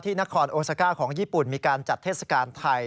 นครโอซาก้าของญี่ปุ่นมีการจัดเทศกาลไทย